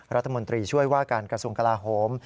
รัฐมนตรีช่วยว่าการกระทรวงกลาโหม